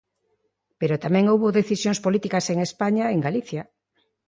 Pero tamén houbo decisións políticas en España e en Galicia.